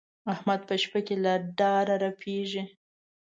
احمد په شپه کې له ډاره رپېږي.